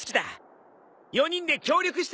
４人で協力していこう！